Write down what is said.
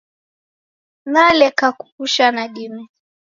Naleka kughusha nadime